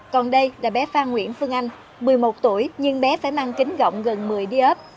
còn đây là bé phan nguyễn phương anh một mươi một tuổi nhưng bé phải mang kính gọng gần một mươi đi ấp